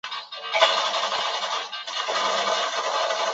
京都动画出身。